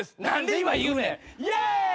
何で今言うねん！